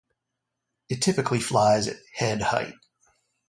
It typically flies at head height.